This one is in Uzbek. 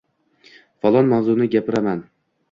Falon mavzuni gapiraman